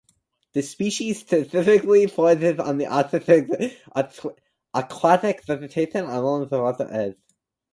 The species typically forages on aquatic vegetation along the edge of the water.